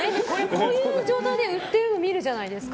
こういう状態で売ってるの見るじゃないですか。